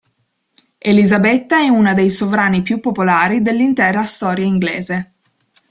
Elisabetta è una dei sovrani più popolari dell'intera storia inglese.